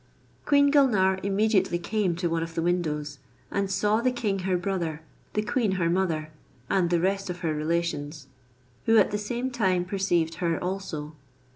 Queen Gulnare immediately came to one of the windows, and saw the king her brother, the queen her mother, and the rest of her relations, who at the same time perceived her also.